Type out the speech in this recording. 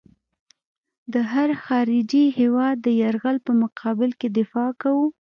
د هر خارجي هېواد د یرغل په مقابل کې دفاع کوو.